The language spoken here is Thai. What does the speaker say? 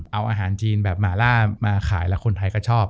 เอาอาหารจีนแบบหมาล่ามาขายแล้วคนไทยก็ชอบ